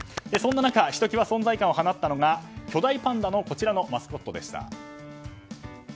そんな中、ひときわ存在感を放ったのが巨大パンダのマスコットでした。